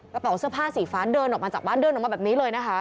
กระเป๋าเสื้อผ้าสีฟ้าเดินออกมาจากบ้านเดินออกมาแบบนี้เลยนะคะ